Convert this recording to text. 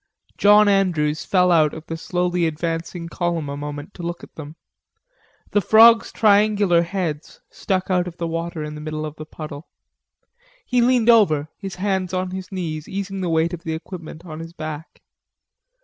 John Andrews fell out of the slowly advancing column a moment to look at them. The frogs' triangular heads stuck out of the water in the middle of the puddle. He leaned over, his hands on his knees, easing the weight of the equipment on his back.